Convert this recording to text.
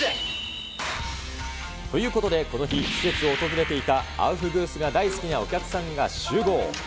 ということでこの日、施設を訪れていたアウフグースが大好きなお客さんが集合。